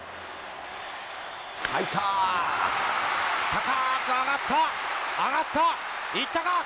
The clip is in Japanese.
入った、高ーく上がった、上がった、行ったか？